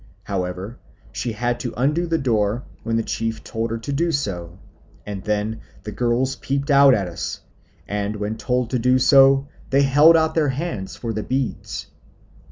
However, she had to undo the door when the chief told her to do so, and then the girls peeped out at us, and, when told to do so, they held out their hands for the beads.